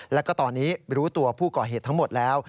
แล้วก็ตอนนี้รู้ตัวผู้ก่อเหตุทั้งหมดแล้ว